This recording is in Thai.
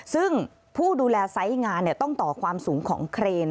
ซึ่งผู้ดูแลไซส์งานต้องต่อความสูงของเครน